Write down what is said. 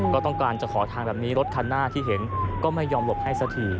ก็ต้องการจะขอทางแบบนี้รถคันหน้าที่เห็นก็ไม่ยอมหลบให้สักที